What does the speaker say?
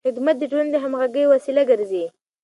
خدمت د ټولنې د همغږۍ وسیله ګرځي.